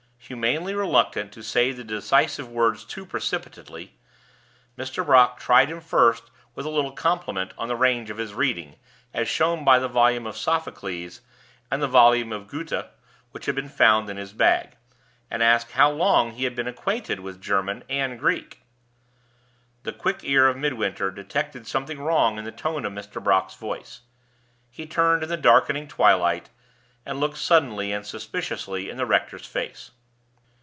Humanely reluctant to say the decisive words too precipitately, Mr. Brock tried him first with a little compliment on the range of his reading, as shown by the volume of Sophocles and the volume of Goethe which had been found in his bag, and asked how long he had been acquainted with German and Greek. The quick ear of Midwinter detected something wrong in the tone of Mr. Brock's voice. He turned in the darkening twilight, and looked suddenly and suspiciously in the rector's face.